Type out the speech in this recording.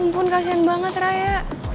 ya ampun kasihan banget raya